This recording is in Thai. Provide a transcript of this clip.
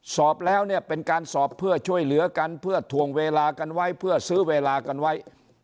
สอบแล้วเนี่ยเป็นการสอบเพื่อช่วยเหลือกันเพื่อถวงเวลากันไว้เพื่อซื้อเวลากันไว้